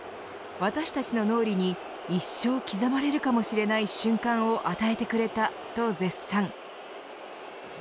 私たちの脳裏に一生刻まれるかもしれない瞬間を与えてくれたと絶賛。